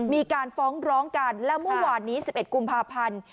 มีการฟ้องร้องกันแล้วมุมหวานนี้สิบเอ็ดกุมภาพันธ์